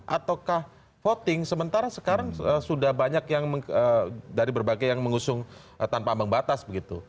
ataukah voting sementara sekarang sudah banyak yang dari berbagai yang mengusung tanpa ambang batas begitu